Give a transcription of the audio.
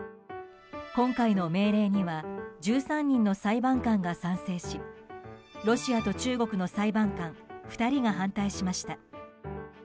今回の命令には１３人の裁判官が賛成しロシアと中国の裁判官２人が反対しました。